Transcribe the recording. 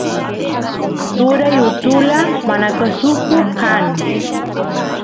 turay utula manakusuko kan